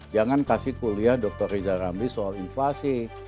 jangan kasih kuliah dr riza ramli soal inflasi